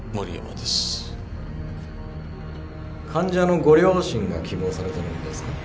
患者のご両親が希望されてるんですか？